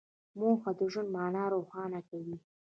موخه د ژوند مانا روښانه کوي.